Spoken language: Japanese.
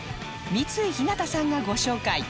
三井陽葵さんがご紹介